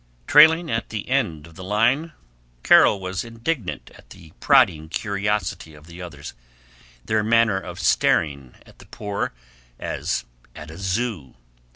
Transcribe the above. Trailing at the end of the line Carol was indignant at the prodding curiosity of the others, their manner of staring at the poor as at a Zoo.